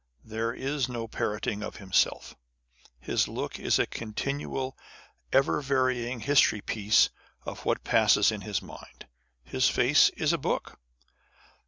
There is no parroting of himself. His look is a continual, ever varying history piece of what passes in his mind. His face is a book.